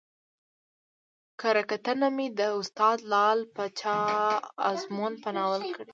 کره کتنه مې د استاد لعل پاچا ازمون په ناول کړى